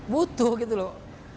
butuh gitu loh